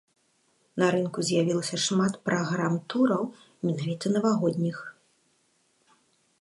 На рынку з'явілася шмат праграм-тураў менавіта навагодніх.